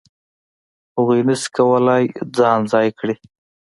هغوی نه شي کولای ځان ځای کړي.